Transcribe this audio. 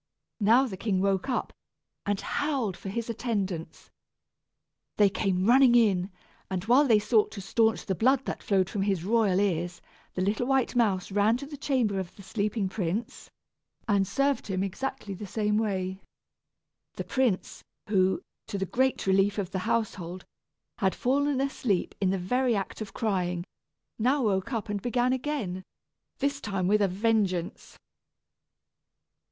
Now the king woke up, and howled for his attendants. They came running in, and while they sought to stanch the blood that flowed from his royal ears, the little white mouse ran to the chamber of the sleeping prince, and served him exactly the same way. The prince, who, to the great relief of the household, had fallen asleep in the very act of crying, now woke up and began again, this time with a vengeance.